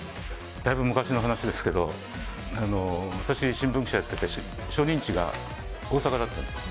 だいぶ昔の話ですけど私、新聞記者やってて初任地が大阪だったんです。